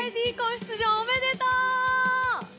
出場おめでとう！